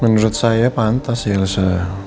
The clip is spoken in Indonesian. menurut saya pantas ya elsa